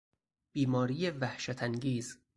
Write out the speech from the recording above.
بیماری وحشتانگیز